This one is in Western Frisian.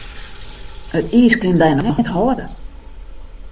It iis kin dy noch net hâlde.